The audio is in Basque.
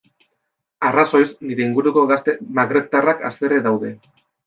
Arrazoiz, nire inguruko gazte magrebtarrak haserre daude.